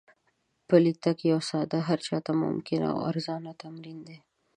پلی تګ یو ساده، هر چا ته ممکن او ارزانه تمرین دی.